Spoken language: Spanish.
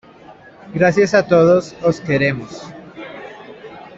Gracias a todos os queremos.